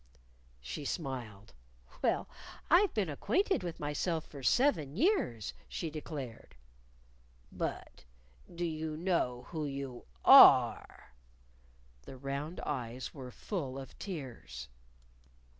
She smiled. "Well, I've been acquainted with myself for seven years," she declared. "But do you know who you are?" (The round eyes were full of tears!)